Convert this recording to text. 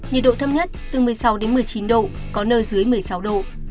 nhiệt độ thấp nhất từ một mươi sáu đến một mươi chín độ có nơi dưới một mươi sáu độ